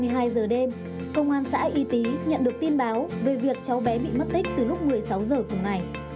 hai mươi hai giờ đêm công an xã y tý nhận được tin báo về việc cháu bé bị mất tích từ lúc một mươi sáu h cùng ngày